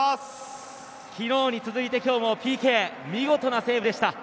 昨日に続いて今日もＰＫ、見事なセーブでした。